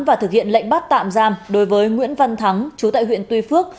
và thực hiện lệnh bắt tạm giam đối với nguyễn văn thắng chú tại huyện tuy phước